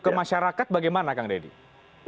ke masyarakat bagaimana kang deddy